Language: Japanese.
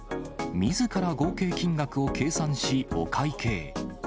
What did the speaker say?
みずから合計金額を計算し、お会計。